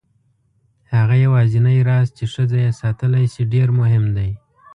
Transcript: هغه یوازینی راز چې ښځه یې ساتلی شي ډېر مهم دی.